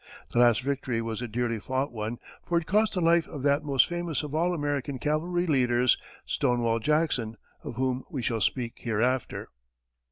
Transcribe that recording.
The last victory was a dearly bought one, for it cost the life of that most famous of all American cavalry leaders, "Stonewall" Jackson, of whom we shall speak hereafter.